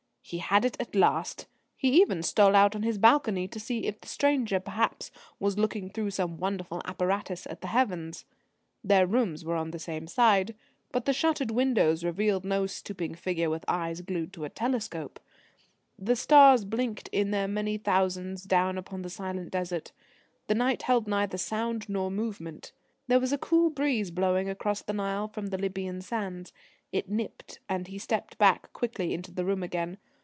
He had it at last. He even stole out on to his balcony to see if the stranger perhaps was looking through some wonderful apparatus at the heavens. Their rooms were on the same side. But the shuttered windows revealed no stooping figure with eyes glued to a telescope. The stars blinked in their many thousands down upon the silent desert. The night held neither sound nor movement. There was a cool breeze blowing across the Nile from the Lybian Sands. It nipped; and he stepped back quickly into the room again.